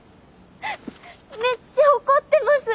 めっちゃ怒ってます。